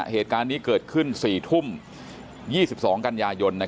เหตุการณ์นี้เกิดขึ้น๔ทุ่ม๒๒กันยายน